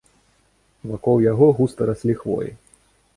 Вакол яго густа раслі хвоі.